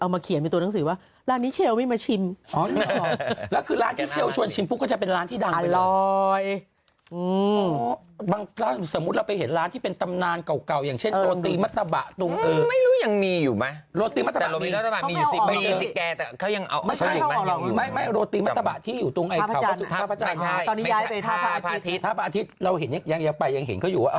มันไม่ใช่ลูกเชลล์แต่มันยังรอตีแม่